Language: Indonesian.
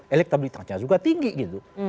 elektabilitasnya juga tinggi gitu